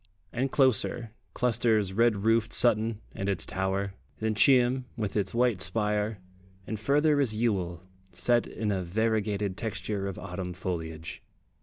And closer, clusters red roofed Sutton and its tower, then Cheam, with its white spire, and further is Ewell, set in a variegated texture of autumn foliage.